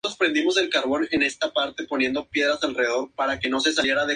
Se encuentran en Asia: India y Sri Lanka.